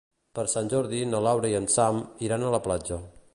Per Sant Jordi na Laura i en Sam iran a la platja.